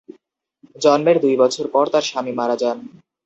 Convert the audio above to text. জন্মের দুই বছর পর তাঁর স্বামী মারা যান।